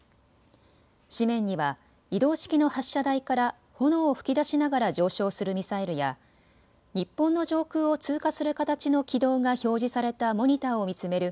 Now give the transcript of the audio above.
紙面には移動式の発射台から炎を噴き出しながら上昇するミサイルや日本の上空を通過する形の軌道が表示されたモニターを見つめる